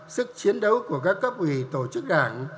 sức chiến đấu của các cấp ủy tổ chức đảng